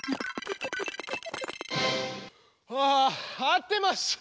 わあ合ってます！